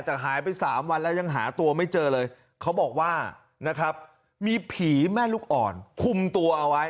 แต่หายไป๓วันแล้วยังหาตัวไม่เจอเลยเขาบอกว่านะครับมีผีแม่ลูกอ่อนคุมตัวเอาไว้